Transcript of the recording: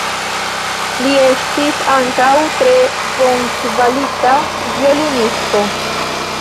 Li estis ankaŭ tre bonkvalita violonisto.